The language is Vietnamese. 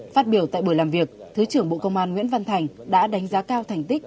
phát biểu tại buổi làm việc thứ trưởng bộ công an nguyễn văn thành đã đánh giá cao thành tích